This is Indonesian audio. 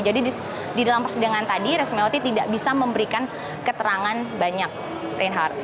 jadi di dalam persidangan tadi resmiati tidak bisa memberikan keterangan banyak reinhardt